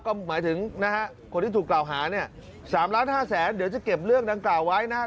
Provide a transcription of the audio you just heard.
ก็หมายถึงนะฮะคนที่ถูกกล่าวหาเนี่ย๓ล้าน๕แสนเดี๋ยวจะเก็บเรื่องดังกล่าวไว้นะครับ